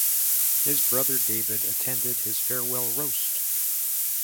His brother David attended his farewell roast.